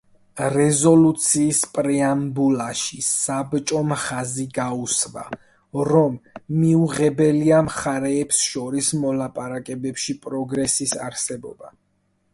რეზოლუციის პრეამბულაში, საბჭომ ხაზი გაუსვა, რომ მიუღებელია მხარეებს შორის მოლაპარაკებებში პროგრესის არარსებობა.